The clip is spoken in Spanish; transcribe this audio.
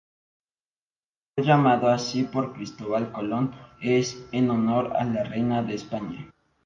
Fue llamado así por Cristóbal Colón en honor a la reina de España.